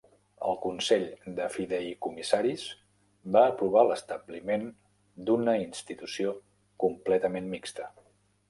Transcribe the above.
El Consell de Fideïcomissaris va aprovar l'establiment d'una institució completament mixta.